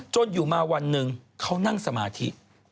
อยู่มาวันหนึ่งเขานั่งสมาธิ